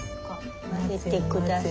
混ぜて下さい。